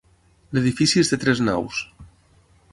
L'edifici és de tres naus.